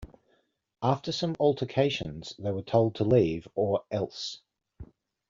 After some altercations they were told to leave or else.